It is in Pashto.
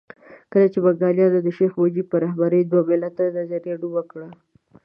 کله چې بنګالیانو د شیخ مجیب په رهبرۍ دوه ملتي نظریه ډوبه کړه.